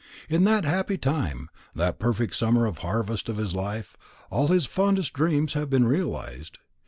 In that happy time that perfect summer and harvest of his life all his fondest dreams have been realized.